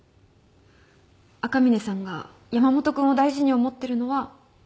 赤嶺さんが山本君を大事に思ってるのは分かってる。